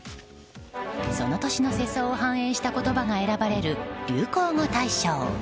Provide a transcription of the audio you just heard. その年の世相を反映した言葉が選ばれる流行語大賞。